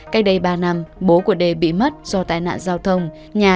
cách đây ba năm bố của đê bị mất do tai nạn giao thông